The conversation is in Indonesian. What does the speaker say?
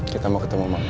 kita mau ketemu mama